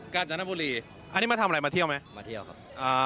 การจนบุรีอันนี้มาทำอะไรมาเที่ยวไหมมาเที่ยวครับ